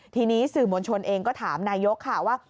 ทีนี้สื่อมวลชนเองก็ถามนายกค่ะว่า